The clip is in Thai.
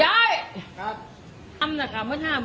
อะไรก็ไม่โดนแกนีเถอะโอ้โห